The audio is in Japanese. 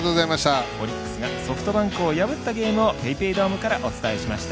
オリックスがソフトバンクを破ったゲームをＰａｙＰａｙドームからお伝えいたしました。